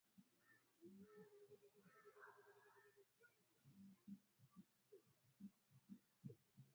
na inatangaza kupitia redio televisheni na mitandao ya kijamii